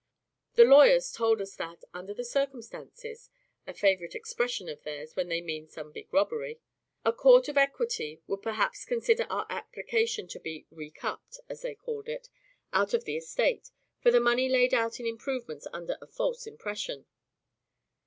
The lawyers told us that, under the circumstances (a favourite expression of theirs when they mean some big robbery), a court of equity would perhaps consider our application to be "recupped," as they called it, out of the estate, for the money laid out in improvements under a false impression.